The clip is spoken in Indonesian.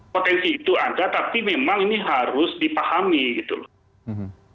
potensi itu ada tapi memang ini harus dipahami gitu loh